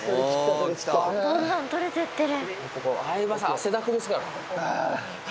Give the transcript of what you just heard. どんどん取れてってる。